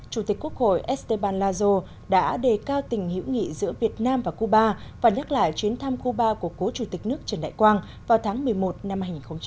chủ tịch quốc hội esteban lazo đã đề cao tình hữu nghị giữa việt nam và cuba và nhắc lại chuyến thăm cuba của cố chủ tịch nước trần đại quang vào tháng một mươi một năm hai nghìn một mươi chín